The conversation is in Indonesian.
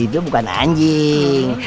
itu bukan anjing